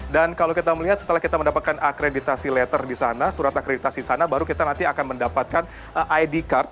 dan kalau kita melihat setelah kita mendapatkan akreditasi letter di sana surat akreditasi di sana baru kita nanti akan mendapatkan id card